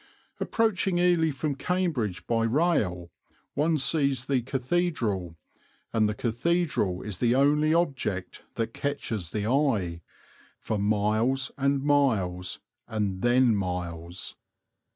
Approaching Ely from Cambridge by rail one sees the cathedral, and the cathedral is the only object that catches the eye, for miles, and miles, and then miles.